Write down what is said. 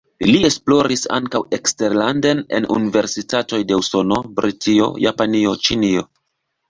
Li esploris ankaŭ eksterlande en universitatoj de Usono, Britio, Japanio, Ĉinio.